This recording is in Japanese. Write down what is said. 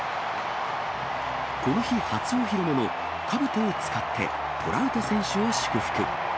この日、初お披露目のかぶとを使って、トラウト選手を祝福。